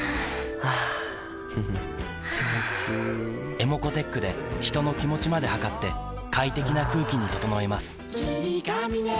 ｅｍｏｃｏーｔｅｃｈで人の気持ちまで測って快適な空気に整えます